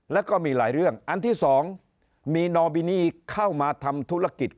แล้วก็มีหลายเรื่องอันที่สองมีนอบินี่เข้ามาทำธุรกิจ